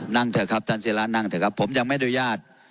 นั่งเถอะครับท่านเสียร้านนั่งเถอะครับผมยังไม่โดยยาศ